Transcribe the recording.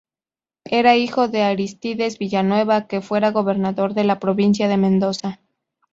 Era hijo de Arístides Villanueva, que fuera gobernador de la Provincia de Mendoza.